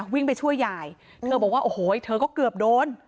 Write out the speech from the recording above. วิ่งไปช่วยยายเธอบอกว่าโอ้โหเธอก็เกือบโดน